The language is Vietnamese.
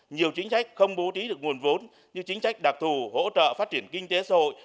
nhiều chính sách không bố trí được nguồn vốn như chính trách đặc thù hỗ trợ phát triển kinh tế xã hội